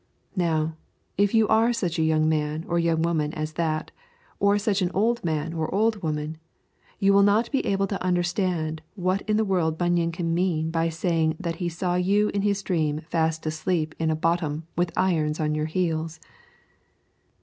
Now, if you are such a young man or young woman as that, or such an old man or old woman, you will not be able to understand what in the world Bunyan can mean by saying that he saw you in his dream fast asleep in a bottom with irons on your heels.